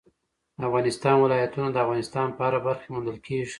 د افغانستان ولايتونه د افغانستان په هره برخه کې موندل کېږي.